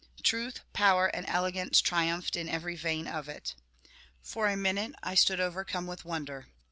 Truth, power, and elegance triumphed in every vein of it. For a minute I stood overcome with wonder.